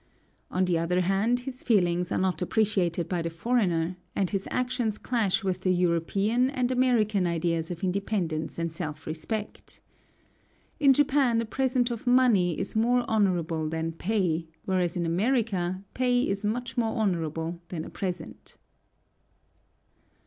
On the other hand, his feelings are not appreciated by the foreigner, and his actions clash with the European and American ideas of independence and self respect. In Japan a present of money is more honorable than pay, whereas in America pay is much more honorable than a present.